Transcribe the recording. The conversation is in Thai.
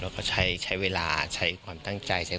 แล้วก็ใช้เวลาใช้ความตั้งใจใช้